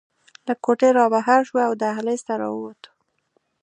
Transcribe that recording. له کوټې رابهر شوو او دهلېز ته راووتو.